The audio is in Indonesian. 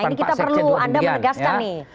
ini kita perlu anda menegaskan nih